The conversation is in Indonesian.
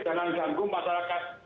jangan ganggu masyarakat